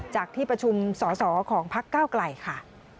จากที่ประชุมสอสอของพักเก้าไกลค่ะ